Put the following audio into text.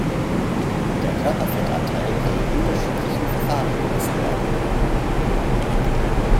Der Körperfettanteil kann mit unterschiedlichen Verfahren gemessen werden.